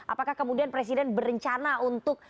apakah kemudian presiden berencana untuk